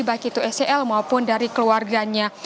baik itu sel maupun dari keluarganya